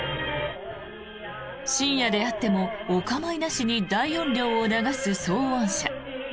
深夜であってもお構いなしに大音量を流す騒音車。